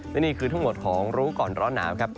และนี่คือทั้งหมดของรู้ก่อนร้อนหนาวครับ